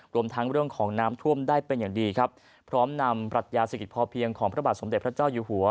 รวมทั้งเรื่องของน้ำท่วมได้เป็นอย่างดีครับพร้อมนำปรัชญาเศรษฐกิจพอเพียงของพระบาทสมเด็จพระเจ้าอยู่หัว